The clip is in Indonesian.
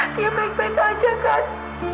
dia baik baik aja kan